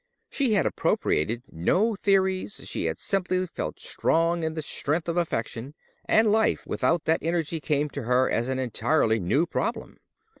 She had appropriated no theories: she had simply felt strong in the strength of affection, and life without that energy came to her as an entirely new problem.